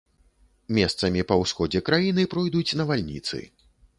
Месцамі па ўсходзе краіны пройдуць навальніцы.